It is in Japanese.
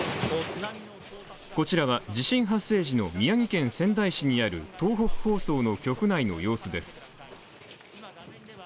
こちらは、地震発生時の宮城県仙台市にある東北放送の局内の様子です。